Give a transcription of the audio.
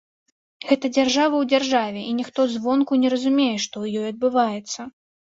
Гэта дзяржава ў дзяржаве, і ніхто звонку не разумее, што ў ёй адбываецца.